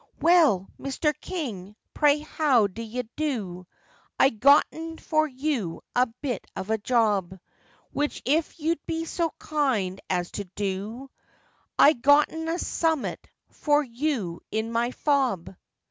'Well, Mr. King, pray how d'ye do? I gotten for you a bit of a job, Which if you'll be so kind as to do, I gotten a summat for you in my fob.